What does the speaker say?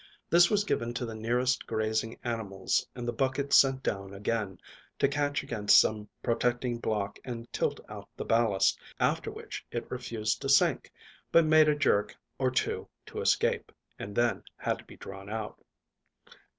This was given to the nearest grazing animals, and the bucket sent down again, to catch against some projecting block and tilt out the ballast, after which it refused to sink, but made a jerk or two to escape, and then had to be drawn out.